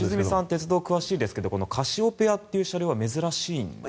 鉄道詳しいですがこのカシオペアという列車は珍しいんですか。